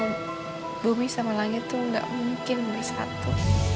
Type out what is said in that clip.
kalau bumi sama langit tuh gak mungkin boleh satu